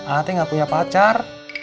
ate gak punya pacar